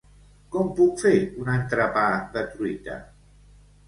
Com puc fer un entrepà de truita?